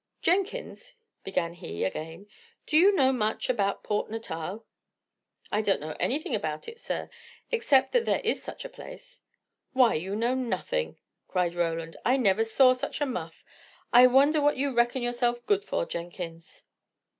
"Jenkins," began he again, "do you know much about Port Natal?" "I don't know anything about it, sir; except that there is such a place." "Why, you know nothing!" cried Roland. "I never saw such a muff. I wonder what you reckon yourself good for, Jenkins?"